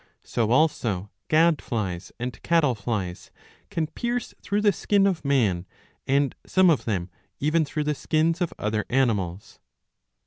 So also gad flies and cattle flies ^^ can pierce through the skin of man, and some of them even through the skins of other animals.